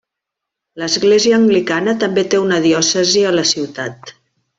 L'església anglicana també té una diòcesi a la ciutat.